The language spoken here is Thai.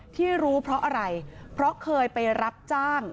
ที่รู้เพราะอะไรเพราะเคยไปรับจ้าง